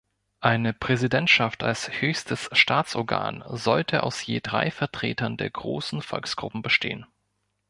Eine Präsidentschaft als höchstes Staatsorgan sollte aus je drei Vertretern der großen Volksgruppen bestehen.